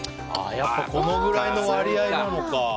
このぐらいの割合なのか。